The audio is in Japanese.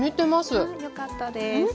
あよかったです。